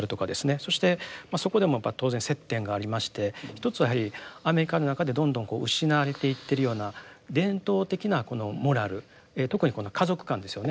そしてそこでも当然接点がありまして一つはやはりアメリカの中でどんどん失われていってるような伝統的なこのモラル特にこの家族観ですよね。